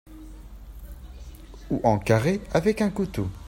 Ou en carrés avec un couteau.